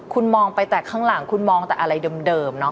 คุณมองไปแต่ข้างหลังคุณมองแต่อะไรเดิมเนาะ